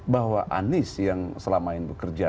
bahwa anis yang selamanya bekerja